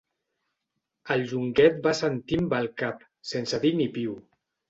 El Llonguet va assentir amb el cap, sense dir ni piu.